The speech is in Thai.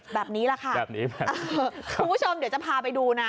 แบบนี้แหละค่ะแบบนี้คุณผู้ชมเดี๋ยวจะพาไปดูนะ